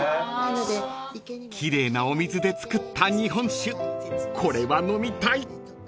［奇麗なお水で造った日本酒これは飲みたい］